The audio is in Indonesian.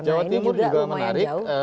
jawa timur juga menarik